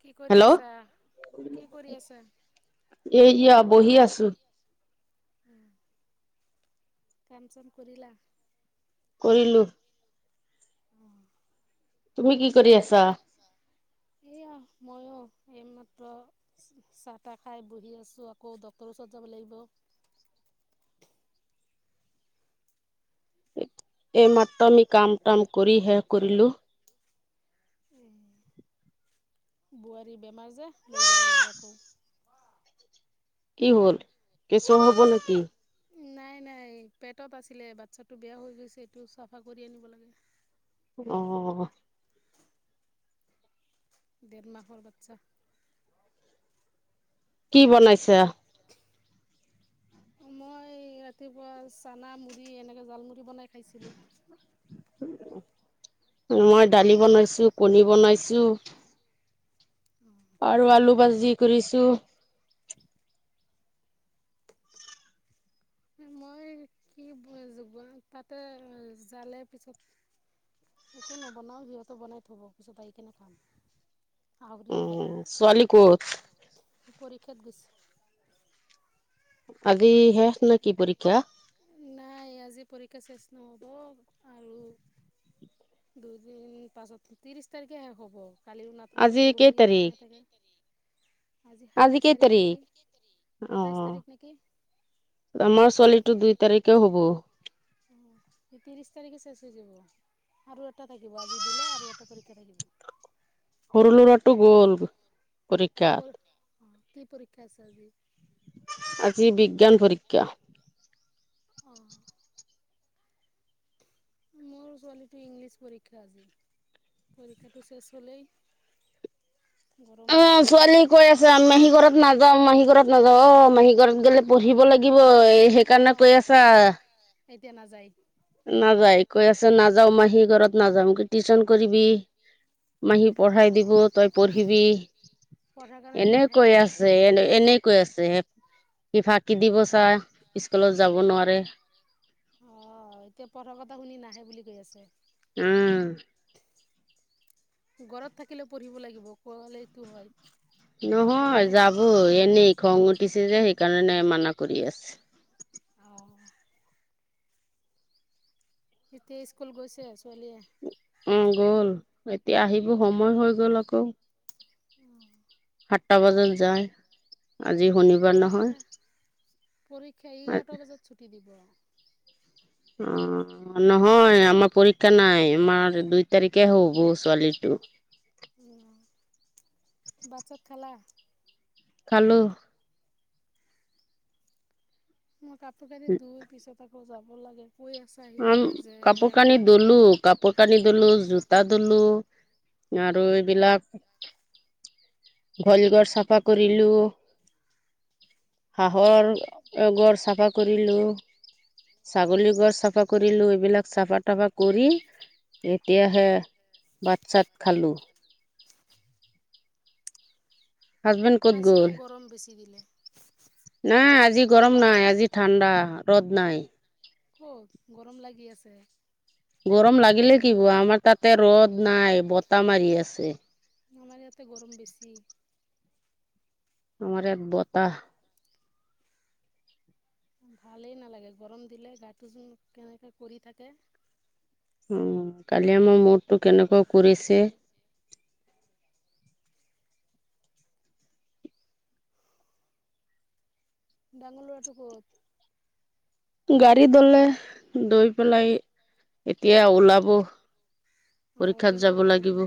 কি কৰি হেল্ল' আছা? কি কৰি আছা? এই ই, বহি আছো। উম, কাম চাম কৰিলা? কৰিলো। [unintelligible] কি কৰি আছা? এয়া মইও এইমাত্ৰ চাহ তাহ খাই বহি আছোঁ, আকৌ ডক্তৰৰ ওচৰত যাব লাগিব। এইমাত্ৰ আমি কাম তাম কৰি শেষ কৰিলো। উম, বোৱাৰী বেমাৰ যে লৈ যাব লাগে আকৌ। কি হ'ল কেঁচোৱা হ'ব নেকি। নাই নাই পেটত আছিলে। বাচ্ছাটো বেয়া হৈ গৈছে এইটো চাফা কৰি আনিব লাগে। অ, ডেৰ মাহৰ বাচ্ছা। কি মানে? [inaudible] মই ৰাতিপুৱা চানা মুড়ি এনেকৈ জালমুড়ি বনাই খাইছিলোঁ। মই দালি বনাইছো কণী বনাইছো। আৰু আলু ভাজি কৰিছোঁ। মই কি [unintelligible] তাতে জালে পিছত। একো নবনাওঁ সিহঁততে বনাই থ'ব পিছত আহ কেনে খাম। আহৰিয়ে উম বনাব, ছোৱালী ক'ত পৰীক্ষাত গৈছে। আজি শেষ নেকি পৰীক্ষা? নাই আজি পৰীক্ষা চেষ নহ'ব আৰু দুদিন পাছত তিৰিশ তাৰিখে শেষ হ'ব। কালিও নাথাকে আজি কেই পৰহিত তাৰিখ নাথাকে। আজি সাতাইছ তাৰিখ নেকি, অ সাতাইছ তাৰিখ নেকি? আমাৰ ছোৱালীটো দুই তাৰিখে হ'ব। অ, এই তিৰিশ তাৰিখে শেষ হৈ যাব। আৰু এটা থাকিব আজি দিলে আৰু এটা পৰীক্ষা থাকিব। সৰু ল'ৰাটো গ'ল পৰীক্ষা। অ, কি পৰীক্ষা আছে আজি? আজি বিজ্ঞান পৰীক্ষা। অ, মোৰ ছোৱালীটো ইংলিছ পৰীক্ষা আজি পৰীক্ষাটো শেষ হ'লেই। গৰম অ, বন্ধ দিব। ছোৱালী কৈ আছে আহী ঘৰত নাযাও মাহী ঘৰত নাযাও অ, মাহী ঘৰত গেলে পঢ়িব লাগিব। লাগিব এই সেইকাৰণে কৈ আছা আ এতিয়া নাযায়। নাযায় কৈ আছে নাযাও মই সি ঘৰত নাযাওঁ কি টিউশচন কৰিবি। মাহী পঢ়াই দিব অ', তই পঢ়িবি, পঢ়াৰ কাৰণে নাহে অ', এনেকৈ আছে। এনে এনেকৈ আছে কি ফাকি দিব চা, স্কুলত যাব নোৱাৰে। অ, এতিয়া পঠৰ কথা শুনি নাহে বুলি কৈ আছে। উম, ঘৰত থাকিলে পঢ়িব লাগিব ক'ৱালেটো হয়। যে ঘৰত নহয় থাকিলে যাব পঢ়িব অ', এনেই খং উঠিছে যে সেইকাৰণে মানা, কৰি আছে। অ, তেতিয়া স্কুল গৈছে ছোৱালীয়ে? অ, গ'ল এতিয়া আহিব সময় হৈ গ'ল আকৌ। উম, সাতটা বজাত যায়। আজি শনিবাৰ পৰীক্ষা, নহয় পৰীক্ষা এঘাৰটা বজাত ছুটি দিব। অ'। নহয় আমাৰ পৰীক্ষা নাই, আমাৰ দুই তাৰিখে হ'ব ছোৱালীৰটো। অ' ভাত‌ চাত খালা? খালোঁ। মই কাপোৰ কানি ধই পিছত আকৌ যাব লাগে কৈ আছে। আহি উম, কেনে যে কাপোৰ এনেকা কানি এনেকা কথা ধলো, কাপ কাপোৰ কানি ধুলোঁ, জোতা ধুলোঁ আৰু এইবিলাক গইলঘৰ চাফা কৰিলোঁ। হাঁহৰ ঘৰ চাফা কৰিলোঁ। ছাগলীৰ ঘৰ চাফা কৰিলোঁ, এইবিলাক চাফা তাফা কৰি‌ এতিয়াহে বাত চাত খালোঁ। হাজবেণ্ড ক'ত আজিও গ'ল? গৰম বেছি দিলে নাই আজি গৰম নাই, আজি ঠাণ্ডা, ৰ'দ নাই। ক'ত গৰম লাগি আছে। গৰম ৰ'দ লাগিলে কম কিহ'ব, হ'লেও আমাৰ তাতে ৰ'দ নাই, বতাহ মাৰি আছে। আমাৰ ইয়াতে গৰম বেছি। আমাৰ ইয়াত বতাহ। ভালেই নালাগে, গৰম দিলে গাটো যেন কেনেকা কৰি থাকে। উম, কালি আমাৰ মূৰটো কেনেকুৱা কৰিছে। [inaudible] ডাঙৰ ল'ৰাটো ক'ত? গাড়ী দলে দৈ পেলাই এয়া ওলাব। অ' পৰীক্ষাত ভিনদেউ যাব ক'ত? লাগিব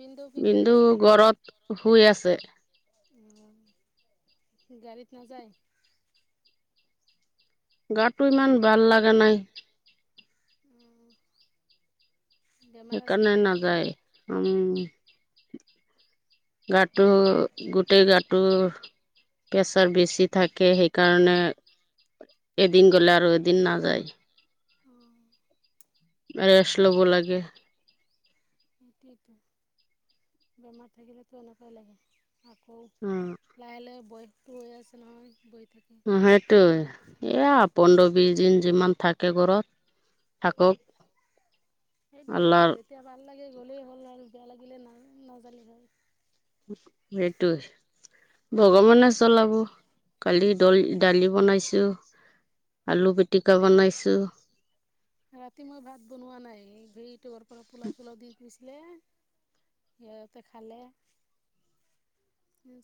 ভিনদেউ কি কৰি কিন্তু আছে? ঘৰত এই শুই আছে ঘৰত শুই আছে। উম, গাড়ীত নাযায়? গাটো ইমান ভাল লাগা নাই। উম। সেইকাৰণে নাযায়। উম, গাটো গোটেই গাটো প্ৰেছাৰ বেছি থাকে সেইকাৰণে এদিন গ'লে আৰু এদিন নাযায়। অঁ ৰেষ্ট ল'ব লাগে। সেইটোৱেতো বেমাৰ থাকিলেতো এনেকুৱাই লাগে আকৌ। উম। লাহে লাহে বয়সটো হৈ আছে নহয়, বৈ থাকে। অ' সেইটোই। এইয়া পোন্ধৰ, বিছদিন যিমান থাকে ঘৰত থাকক। সেইটোয়তো আল্লাৰ তেতিয়া ভাল লাগে গ'লেই হ'ল আৰু বেয়া লাগিলে ন' নাজালি হয়। সেইটোই। ভগৱানে চলাব। কালি ডল ডালি বনাইছোঁ। আলু পিটিকা বনাইছোঁ। ৰাতি মই ভাত বনোৱা নাই, হেউটোবৰপৰা পোলাও চোলাও দি দিছিলে। সিহঁতে খালে।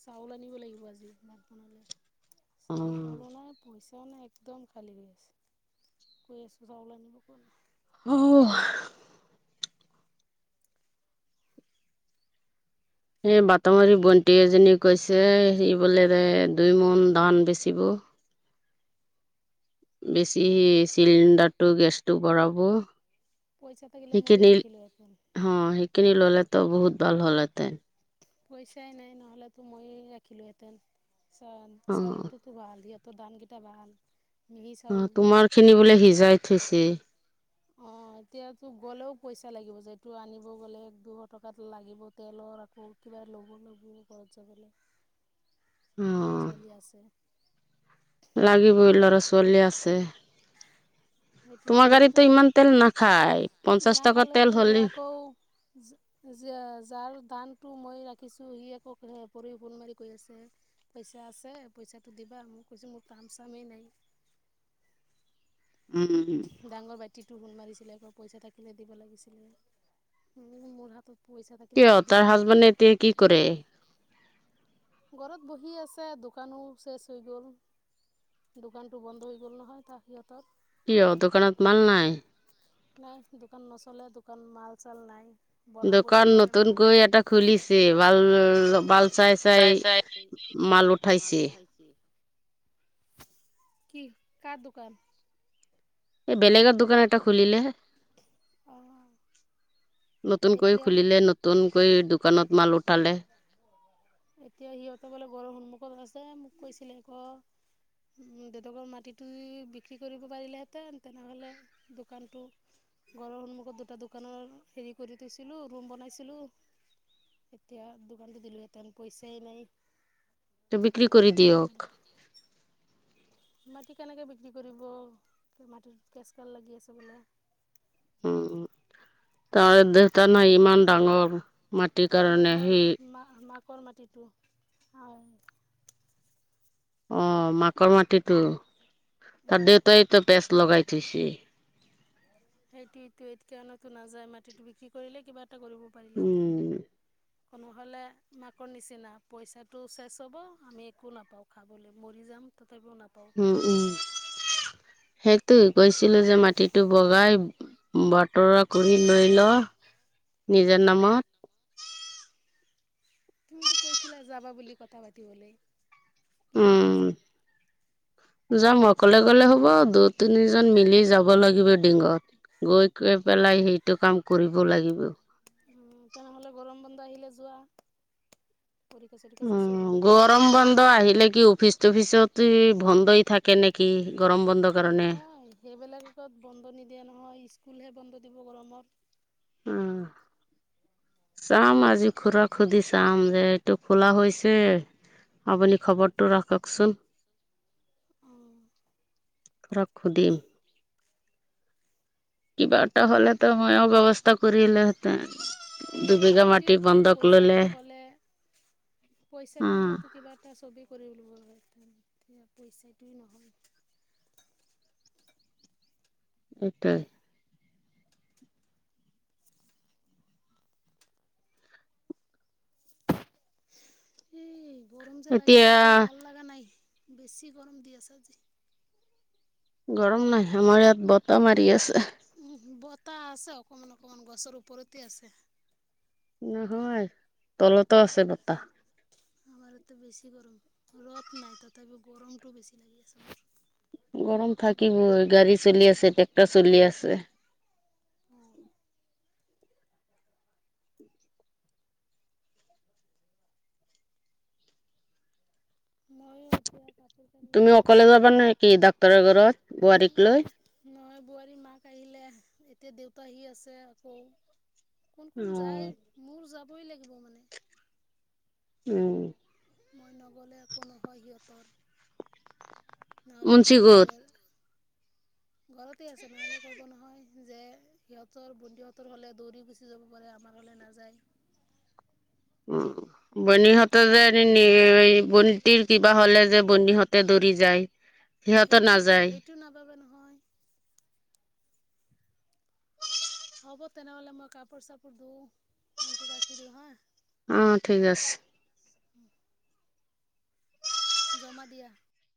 চাউল আনিব লাগিব আজি ভাত বনালে। অ চাউল তাউলো নাই, পইচাও নাই, একদম খালী হৈ আছে। কৈ আছোঁ চাউল আনিব, ক না। অ' এই বাটামাৰী ভণ্টি এজনী কৈছে সি বোলে দুই মন ধান বেচিব। বেছি সি অঁ চিলিণ্ডাৰটো গেছটো ভৰাব। পইচা থাকিলে মৰি [unintelligible] সেইখিনি ৰাখিলো আপ অ', সেইখিনি ল'লেতো বহুত ভাল হ'ল হেঁতেন। পইচাই নাই নহ'লেতো ময়ে ৰাখিলো হেঁতেন চ- অ চাউলটো ভাল ইয়াতো দাম কেইটা ভাল। মিহি অ', চাউল তোমাৰ খিনি বোলে সিজাই থৈছে। অ', এতিয়াতো গ'লেও পইচা লাগিব, যেটো আনিব গ'লে এক দুশ টকাত লাগিব। তেলৰ আকৌ কিবা ল'ব লাগবো ঘৰত যাবলে। [unintelligible] অ ল'ৰা ছোৱালী আছে। লাগিবই ল'ৰা ছোৱালী আছে। সেইটোতো তোমাৰ গাড়ীতো সেইটোতো ইমান তেল নাখায় পঞ্চাশ টকা নাখালে তেল তো হ'লে আকৌ যে যাৰ দানটো মই ৰাখিছোঁ সি একৌ পৰি ফন মাৰি কৈ আছে পইচা আছে পইচাটো দিবা মই কৈছোঁ মোৰ কাম চামেই নাই। উম, উম, উম। ডাঙৰ ভাইটিটো ফোন মাৰিছিলে এপ পইচা থাকিলে দিব লাগিছিলে, মোৰ হাতত পইচা কিয় থাকিলেতো দি তাৰ হাজবেণ্ডে এতিয়া কি দিলোহেঁতেন। কৰে ঘৰত বহি আছে দোকানো চেচ হৈ গ'ল। দোকানটো বন্ধ হৈ গ'ল নহয় তাৰ সিহঁতৰ। কিয় দোকানত মাল নাই? নাই দোকান নচলে দোকান মাল চাল নাই। বনাবই দোকান নোৱাৰে মাল নতুনকৈ নতুন এটা খুলিছে বাল চলিছে ভাল চাই চাই মাল উঠাইছে। কি কাৰ দোকান? এই বেলেগৰ দোকান এটা খুলিলে। অ নতুনকৈ এতিয়া খুলিলে, নতুনকৈ দোকানত মাল উঠালে। এতিয়া সিহঁতে বোলে ঘৰৰ সন্মুখত আছে মোক কৈছিলে আকৌ দেউতাকৰ মাটিটো বিক্ৰী কৰিব পাৰিলেহেঁতেন তেনেহ'লে দোকানটো, ঘৰৰ সন্মুখত দুটা দোকানৰ হেৰি কৰি থৈছিলোঁ ৰুম বনাইছিলোঁ এতিয়া দোকানটো দিলোঁহেতেন, পইচাই নাই। ত' বিক্ৰী এতিয়া কৰি কি কৰিম দিয়ক। মাটি কেনেকৈ বিক্ৰী কৰিব? মাটিত কেচ কাল লাগি আছে বোলে। উ, তাৰ দেউতা নাই ইমান ডাঙৰ মাটিৰ কাৰণে সি ম মাক কৰ মাটিটো আৰু অ', মাকৰ মাটিটো তাৰ দেউতাইতো পেষ্ট লগাই থৈছে। সেইটোৱেটো তেওঁলোকো নাযায় মাটিতো বিক্ৰী কৰিলে কিবা এটা কৰিব পৰিলেহেঁতন। উম ক নোহ'লে মাকৰ নিচিনা পইচাটো চেচ হ'ব আমি একো নাপাওঁ। খাবলৈ মৰি যাম তথাপিও নাপাওঁ। উ, উ, সেইটোৱে কৈছিলোঁ যে মাটিটো বগাই বটৰা কৰি লৈ ল নিজৰ নামত তুমিতো কৈছিলা যাবা বুলি কথা পাতিবলৈ, কি হ'ল উম পিছত? যাম অকলে গ'লে হ'ব দুই তিনিজন মিলি যাব লাগিব ডিংগত গৈ গৈ পেলাই সেইটো কাম কৰিব লাগিব। উ, তেনেহ'লে গৰম বন্ধ আহিলে যোৱা। পৰীক্ষা চৰীক্ষা চেছ হৈ উম লওঁক ল'ৰা গৰম ছোৱালী বন্ধ আহিলে কি অফিচ চফিচত বন্ধই থাকে নে কি গৰম বন্ধৰ কাৰণে। হয় সেইবিলাক ত বন্ধ নিদিয়ে নহয় স্কুলহে বন্ধ দিব গৰমত। উম, চাম আজি খুৰা খুধি চাম যে এইটো খোলা হৈছে! আপুনি খবৰটো ৰাখকচোন। অ, খুৰাক খুদিম। কিবা এটা চোৱা হলেতো মই ব্যৱস্থা কৰিলে দুবিঘা মাটি সেইটোৱেতো বন্ধ কৰি লৈলে। পইচাটো হ'লে পইচাটো হ'লেতো কিবা এটা ছবি কৰি উলিবয়া পইচাটোে নহয়। [inaudible] এই গৰম যে লাগি এতিয়া আছে ভাল লগা নাই বেছি গৰম দি আছে আজি। গৰম নাই আমাৰ ইয়াত বতাহ মাৰি আছে। উম, বতাহ আছে অকমান অকমান গছৰ ওপৰতে আছে। বতাহ নহয়, তলতো আছে বতাহ। আমাৰতো বেছি গৰম ৰদ নাই তথাপিও গৰমতটো বেছি লাগি আছে। গৰম থাকিবই গাড়ী চলি আছে ট্ৰেক্টৰ চলি আছে। উ, মই এতিয়া [inaudible] তুমি ধুম অকলে যাবা নেকি ডাক্তৰৰ ঘৰত বোৱাৰীক লৈ? নহয় বোৱাৰী মাক আহিলে এতিয়া দেউতা আহি আছে আকৌ কোন অ' কোন যায় মোৰ যাবই লাগিব মানে। উম। মই নগ'লে একো নহয় সিহঁতৰ। নহ'লে মুঞ্চি ক'ব গোট যে ঘৰতেই আছে নহ'লে ক'ব নহয় যে সিহঁতৰ ভন্টিহঁতৰ হলে দৌৰি গুচি যাব পাৰে আমাৰ হলে নাযায়। উম, বনীহঁতে যে বন্তিৰ কিবা হলে যে বনীহঁতে দৌৰি যায়। [inaudible] সেইটোৱেটো নাযায় সেইটো নাপাবা নহয়। হ'ব তেনেহ'লে মই কাপোৰ চাপোৰ ধওঁ, ফোনটো ৰাখি দিওঁ হা। অ, ঠিক আছে। উম, জমা দিয়া।